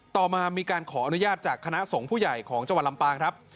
ต่อมามีการขออนุญาตจากคณะสงฆ์ผู้ใหญ่ของจังหวัดลำปางครับ